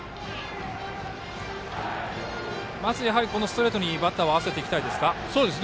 まずストレートにバッターは合わせていきたいですか。